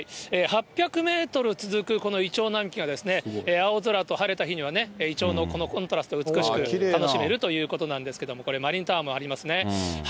８００メートル続くこのイチョウ並木が、青空と晴れた日にはイチョウのコントラスト、美しく楽しめるということなんですけれども、これ、マリンタワーもありますね。